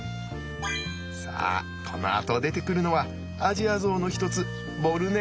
さあこのあと出てくるのはアジアゾウの一つボルネオゾウです。